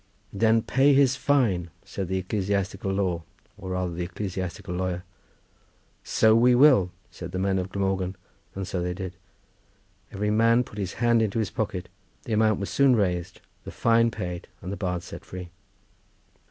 "Then pay his fine!" said the ecclesiastical law, or rather the ecclesiastical lawyer. "So we will!" said the men of Glamorgan; and so they did. Every man put his hand into his pocket; the amount was soon raised, the fine paid, and the bard set free.